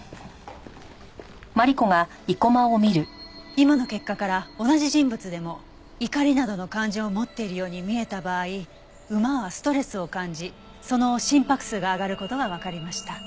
今の結果から同じ人物でも怒りなどの感情を持っているように見えた場合馬はストレスを感じその心拍数が上がる事がわかりました。